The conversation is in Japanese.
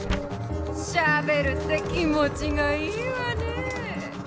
しゃべるって気もちがいいわねぇ！